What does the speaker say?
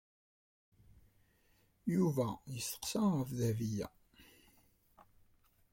Yuba yesteqsa ɣef Dahbiya.